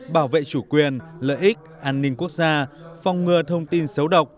bảo vệ chủ quyền lợi ích an ninh quốc gia phòng ngừa thông tin xấu độc